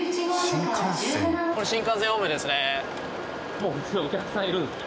もう普通にお客さんいるんですね。